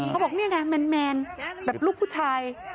เขาบอกนี่ไงแมนแบบลูกผู้ชาย